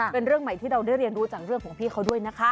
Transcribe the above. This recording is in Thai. เป็นเรื่องใหม่ที่เราได้เรียนรู้จากเรื่องของพี่เขาด้วยนะคะ